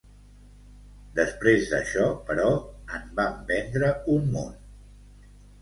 Després d'això, però, en vam vendre un munt.